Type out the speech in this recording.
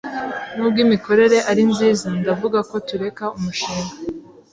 Nubwo imikorere ari nziza, ndavuga ko tureka umushinga.